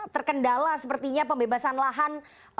terkendala sepertinya pembebasan lahan